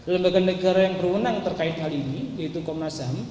lembaga negara yang berwenang terkait hal ini yaitu komnas ham